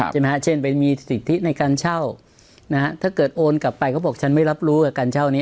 ใช่ไหมฮะเช่นไปมีสิทธิในการเช่านะฮะถ้าเกิดโอนกลับไปเขาบอกฉันไม่รับรู้กับการเช่านี้